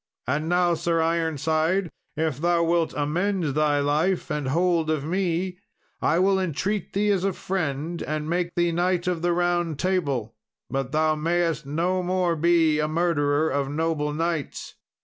And now, Sir Ironside, if thou wilt amend thy life and hold of me, I will entreat thee as a friend, and make thee Knight of the Round Table; but thou mayst no more be a murderer of noble knights."